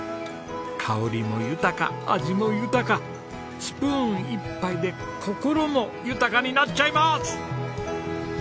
香りも豊か味も豊かスプーン１杯で心も豊かになっちゃいます！